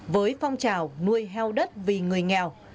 với phong trào nuôi heo đất vì người nghèo